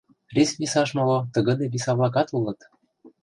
Рис висаш моло тыгыде виса-влакат улыт.